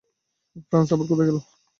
Frank আবার কোথায় গেলো?